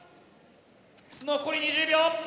残り２０秒！